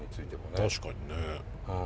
確かにね。